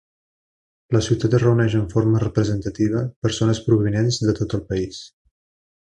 La ciutat reuneix en forma representativa persones provinents de tot el país.